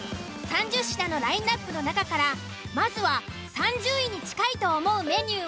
３０品のラインアップの中からまずは３０位に近いと思うメニューを予想。